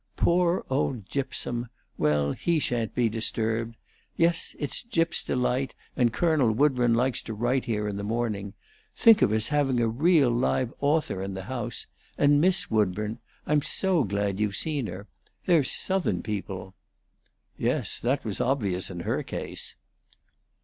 "Poor old Gypsum! Well, he sha'n't be disturbed. Yes, it's Gyp's delight, and Colonel Woodburn likes to write here in the morning. Think of us having a real live author in the house! And Miss Woodburn: I'm so glad you've seen her! They're Southern people." "Yes, that was obvious in her case."